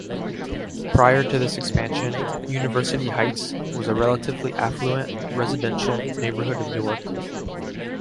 Prior to this expansion, University Heights was a relatively affluent residential neighborhood of Newark.